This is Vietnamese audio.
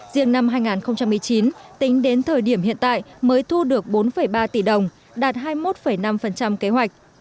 riêng năm hai nghìn một mươi chín tính đến thời điểm hiện tại mới thu được bốn ba tỷ đồng đạt hai mươi một năm kế hoạch